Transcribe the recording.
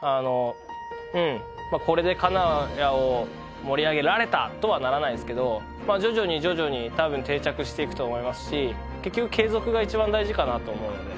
まあこれで金谷を盛り上げられたとはならないですけど徐々に徐々に多分定着していくと思いますし結局継続が一番大事かなと思うので。